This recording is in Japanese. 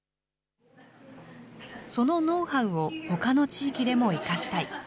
そのノウハウをほかの地域でも生かしたい。